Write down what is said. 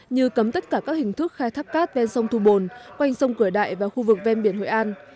như cấm tất cả các hình thức khai thác cát ven sông thu bồn quanh sông cửa đại và khu vực ven biển hội an